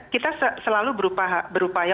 kita selalu berupaya